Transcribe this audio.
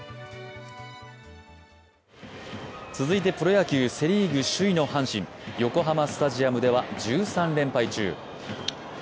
続いてプロ野球、セ・リーグ首位の阪神、横浜スタジアムでは１３連敗中。